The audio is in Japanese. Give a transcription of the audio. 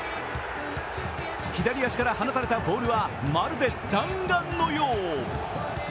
左足から放たれたボールはまるで弾丸のよう。